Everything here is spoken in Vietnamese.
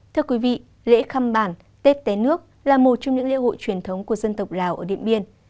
thưa quý vị lễ khăm bản tết té nước là một trong những lễ hội truyền thống của dân tộc lào ở điện biên